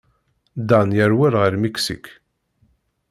Dan yerwel ɣer Miksik.